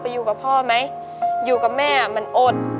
อยู่กับพ่อไหมอยู่กับแม่มันอด